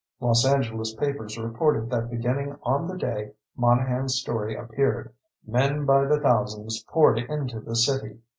Los Angeles papers reported that beginning on the day Monahan's story appeared, men by the thousands poured into the city.